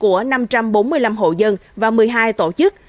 của năm trăm bốn mươi năm hộ dân và một mươi hai tổ chức